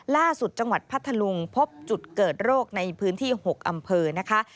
ล่าสุดจังหวัดพัทธลุงพบจุดเกิดโรคในพื้นที่๖อำเภอนะคะ